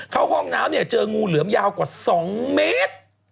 เข้าห้องน้ำเนี่ยเจองูเหลือมยาวกว่า๒เมตร